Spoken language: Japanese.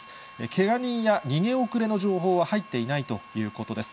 けが人や逃げ遅れの情報は入っていないということです。